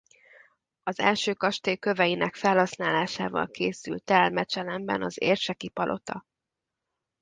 Az első kastély köveinek felhasználásával készült el Mechelenben az érseki palota.